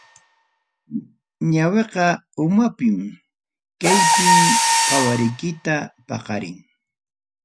Ñawiqa umapim, kaypim qawarikuyta paqarin.